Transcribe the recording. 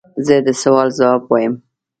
زه د سوال ځواب وایم.